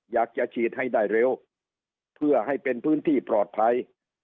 อยากจะฉีดให้ได้เร็วเพื่อให้เป็นพื้นที่ปลอดภัย